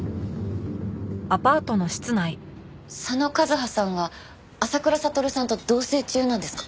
佐野和葉さんは浅倉悟さんと同棲中なんですか？